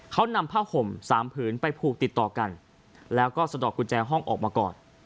เขานำผ้าห่ม๓ผืนไปผูกติดต่อกันแล้วก็สะดอกกุญแจห้องออกมาก่อน